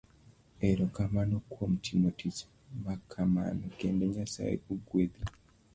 Ero kamano kuom timo tich makamano,, kendo Nyasaye ogwedhi.